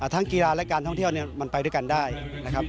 กีฬาและการท่องเที่ยวมันไปด้วยกันได้นะครับ